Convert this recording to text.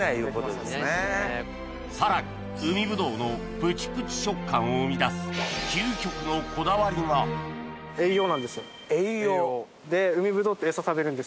さらに海ぶどうのプチプチ食感を生み出す究極のこだわりが栄養？